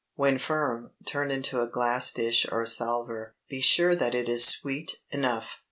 When firm, turn into a glass dish or salver. Be sure that it is sweet enough.